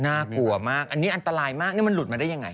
น่ากลัวมากอันนี้อันตรายมากนี่มันหลุดมาได้ยังไง